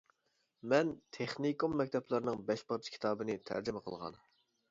مەن تېخنىكوم مەكتەپلەرنىڭ بەش پارچە كىتابىنى تەرجىمە قىلغان.